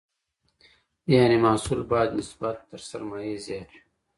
یعنې محصول باید نسبت تر سرمایې زیات وي.